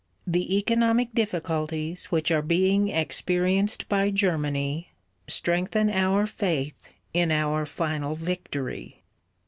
The economic difficulties which are being experienced by Germany, strengthen our faith in our final victory.